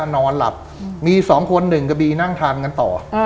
นอนหลับมี๒คนหนึ่งกะบีนั่งทานกันต่อ